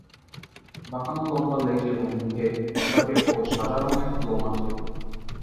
বাঁকানো, লম্বা লেজ এবং মুখে লম্বাটে ও সাদা রঙের লোম আছে।